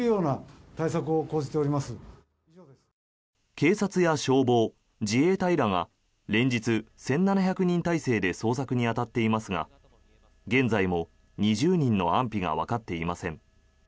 警察や消防、自衛隊らが連日、１７００人態勢で捜索に当たっていますが現在も２０人の安否がわかっていません。